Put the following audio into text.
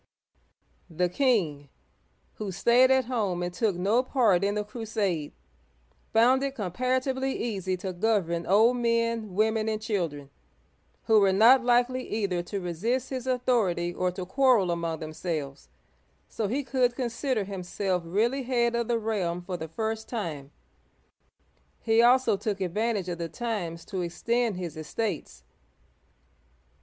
The king, who stayed at home and took no part in the crusade, found it comparatively easy to govern old men, women, and children, who were not likely either to resist his authority or to quarrel among themselves, so he could consider himself really head of the realm for the first time. He also took advantage of the times to extend his estates.